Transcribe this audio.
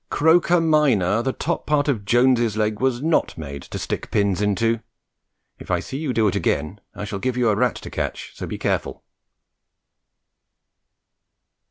Croker, minor, the top part of Jones' leg was not made to stick pins into. If I see you do it again, I shall give you a rat to catch, so be careful!